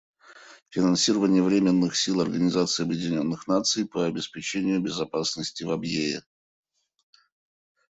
Финансирование Временных сил Организации Объединенных Наций по обеспечению безопасности в Абьее.